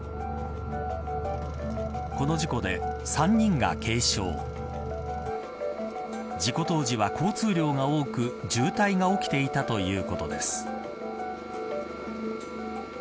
この事故で３人が軽傷事故当時は、交通量が多く渋滞が起きていたということです。